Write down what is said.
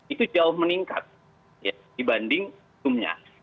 itu jauh meningkat dibanding sebelumnya